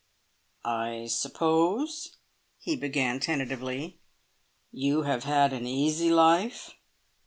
"I suppose," he began tentatively, "you have had an easy life?"